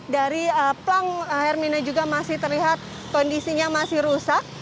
dari plang hermina juga masih terlihat kondisinya masih rusak